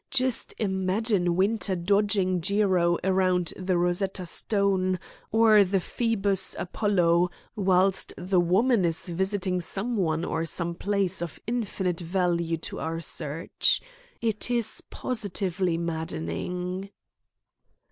Just imagine Winter dodging Jiro around the Rosetta Stone or the Phoebus Apollo, whilst the woman is visiting some one or some place of infinite value to our search. It is positively maddening."